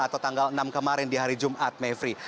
atau tanggal enam kemarin di hari jumat mevri